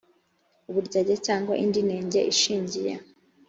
uburyarya cyangwa indi nenge ishingiye